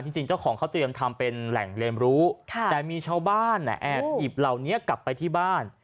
จริงเจ้าของเขาเตรียมทำเป็นแหล่งเรียนรู้แต่มีชาวบ้านแอบหยิบเหล่านี้กลับไปที่บ้าน